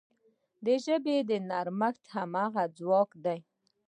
د ژبې نرمښت د هغې ځواک دی.